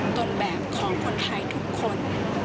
ต้นแบบของคนไทยทุกคน